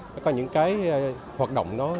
và những cái hoạt động nó